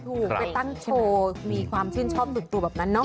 ถูกไปตั้งโชว์มีความชื่นชอบดึกตัวแบบนั้นเนาะ